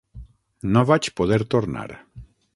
No vaig poder tornar.